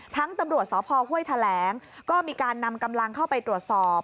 ตำรวจสพห้วยแถลงก็มีการนำกำลังเข้าไปตรวจสอบ